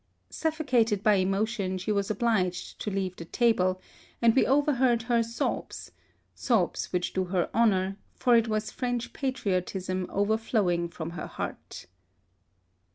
Suffocated by' emotion, she was obliged to leave the table, and we over heard her sobs — sobs which do her honour, for it was French patriotism overflowing from her heart.